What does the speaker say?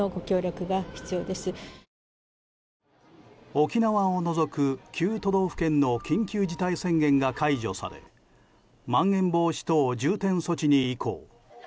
沖縄を除く、９都道府県の緊急事態宣言が解除されまん延防止等重点措置に移行。